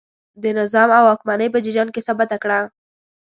د نظام او واکمنۍ په جریان کې ثابته کړه.